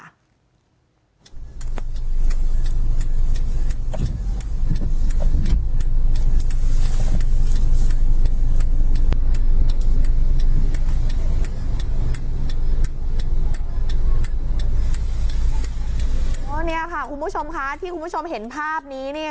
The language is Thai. นี่ค่ะคุณผู้ชมค่ะที่คุณผู้ชมเห็นภาพนี้เนี่ย